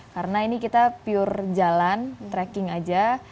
karena ini kita pure jalan trekking aja